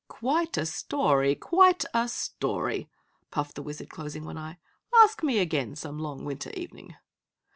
"Quite a story quite a story," puffed the Wizard, closing one eye, "Ask me again some long winter evening."